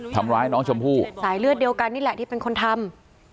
ทำร้ายน้องชมพู่สายเลือดเดียวกันนี่แหละที่เป็นคนทำ